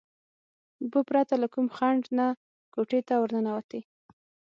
اوبه پرته له کوم خنډ نه کوټې ته ورننوتې.